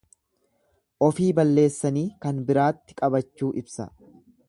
Ofii balleessanii kan biraatti qabachuu ibsa.